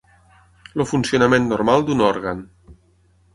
El funcionament normal d'un òrgan.